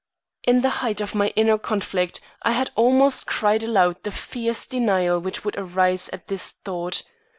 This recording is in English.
In the height of my inner conflict, I had almost cried aloud the fierce denial which would arise at this thought.